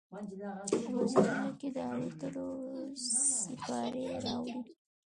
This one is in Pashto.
وزرونو کې، د الوتلو سیپارې راوړي